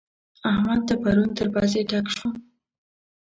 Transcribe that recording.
احمد ته پرون تر پزې ډک شوم.